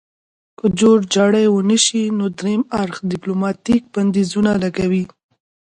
که جوړجاړی ونشي نو دریم اړخ ډیپلوماتیک بندیزونه لګوي